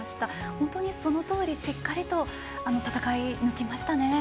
本当にそのとおりしっかりと、戦い抜きましたね。